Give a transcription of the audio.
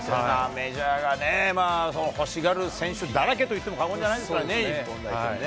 メジャーはね、欲しがる選手だらけと言っても過言じゃないですからね、日本選手ね。